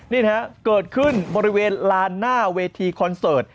นี่นะฮะเกิดขึ้นบริเวณลานหน้าเวทีคอนเสิร์ต